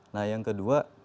nah yang kedua